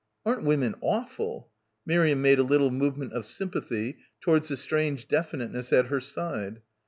"Aren't women awful?" Miriam made a little movement of sympathy towards the strange definiteness at her side.